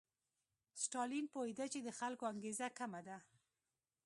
ستالین پوهېده چې د خلکو انګېزه کمه ده.